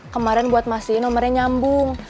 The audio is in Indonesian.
kemaren buat mastiin nomernya nyambung